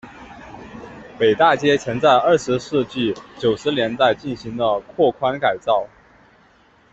北大街曾在二十世纪九十年代进行了拓宽改造。